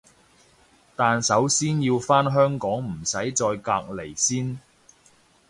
但首先要返香港唔使再隔離先